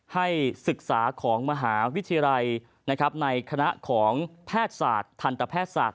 ให้ศึกษาของมหาวิทยาลัยในคณะของแพทย์ศาสตร์ทันตแพทยศาสต